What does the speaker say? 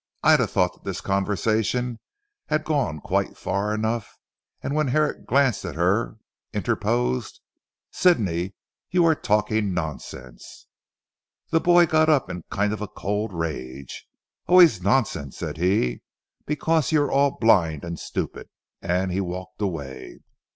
Ida thought that this conversation had gone quite far enough, and when Herrick glanced at her interposed, "Sidney you are talking nonsense!" The boy got up in a kind of cold rage. "Always nonsense," said he, "because you are all blind and stupid." And he walked away.